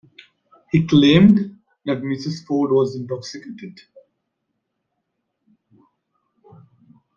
He claimed that Ms. Ford was intoxicated.